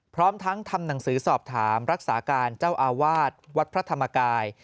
พร้อมทั้งทำหนังสือสอบถามรักษาการเจ้าอาวาสวัดพระธรรมกาย